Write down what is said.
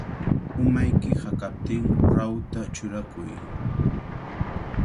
Umayki hakaptin rahuta churakuy.